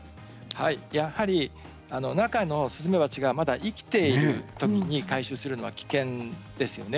やはり中のスズメバチが、まだ生きているときに回収するのは危険ですよね。